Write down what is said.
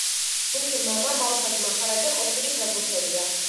მისი მამა, მალხაზ მახარაძე, ყოფილი ფეხბურთელია.